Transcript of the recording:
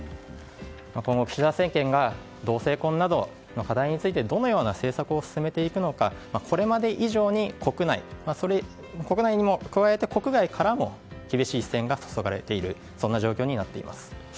今後、岸田政権が同性婚など課題についてどのような政策を進めていくのかこれまで以上に国内にも加えて国外からも厳しい視線が注がれているそんな状況になっています。